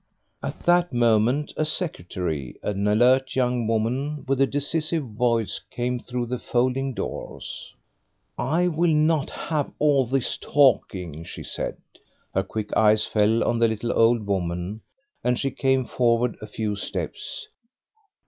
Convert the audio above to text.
'" At that moment the secretary, an alert young woman with a decisive voice, came through the folding doors. "I will not have all this talking," she said. Her quick eyes fell on the little old woman, and she came forward a few steps.